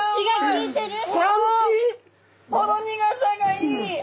ほろ苦さがいい！